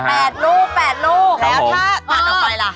แปดรูปรูปครับผมสิแล้วถ้าตัดออกไปล่ะ